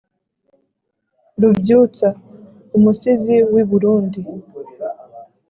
rubyutsa: umusizi w’i burundi